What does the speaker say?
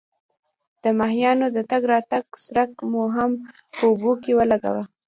د ماهیانو د تګ راتګ څرک مو هم په اوبو کې ولګاوه.